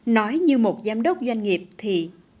nói như một giám đốc doanh nghiệp thì